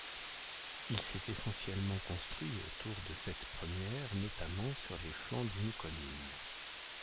Il s'est essentiellement construit autour de cette première, notamment sur les flancs d'une colline.